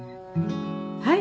はい！